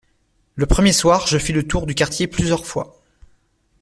Le premier soir, je fis le tour du quartier plusieurs fois.